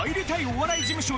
お笑い事務所